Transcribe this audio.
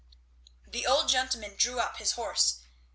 The old gentleman drew up his horse.